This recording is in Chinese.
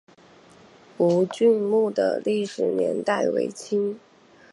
吴郡墓的历史年代为清。